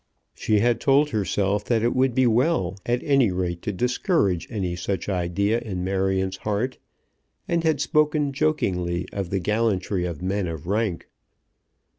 She had told herself that it would be well at any rate to discourage any such idea in Marion's heart, and had spoken jokingly of the gallantry of men of rank.